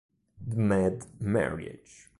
The Mad Marriage